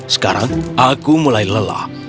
sekarang aku mulai lelah